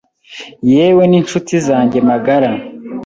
yewe n’incuti zanjye magara.